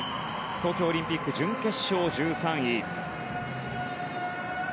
東京オリンピック準決勝１３位。